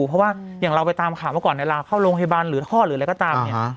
เพราะว่าอย่างเราไปตามข่าวเมื่อก่อนเวลาเข้าโรงพยาบาลหรือท่อหรืออะไรก็ตามเนี่ย